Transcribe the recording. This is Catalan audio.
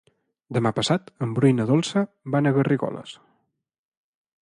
Demà passat en Bru i na Dolça van a Garrigoles.